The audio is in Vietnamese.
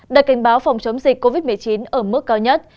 đặt kênh báo phòng chống dịch covid một mươi chín ở mức cao nhất